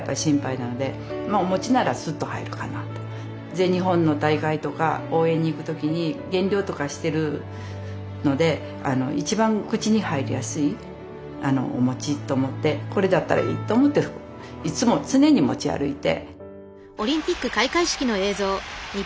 全日本の大会とか応援に行く時に減量とかしてるのでこれだったらいいと思っていつも常に持ち歩いて。